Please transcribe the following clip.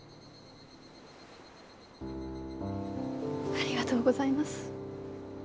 ありがとうございます。